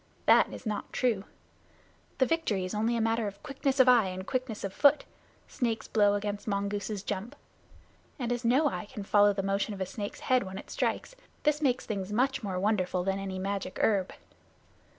That is not true. The victory is only a matter of quickness of eye and quickness of foot snake's blow against mongoose's jump and as no eye can follow the motion of a snake's head when it strikes, this makes things much more wonderful than any magic herb.